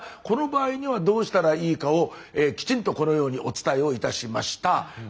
この場合にはどうしたらいいかをきちんとこのようにお伝えをいたしました。